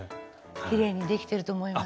きれいにできてると思います。